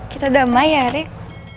kita damai ya rik